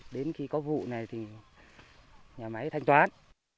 đến khi có vụ này thì nhà máy thanh toán